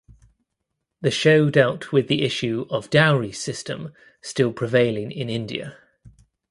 The show dealt with the issue of dowry system still prevailing in India.